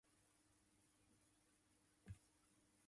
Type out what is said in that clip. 博物館は英語でミュージアムという。